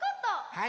はい！